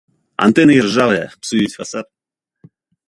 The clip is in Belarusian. Антэны іржавыя, псуюць фасад.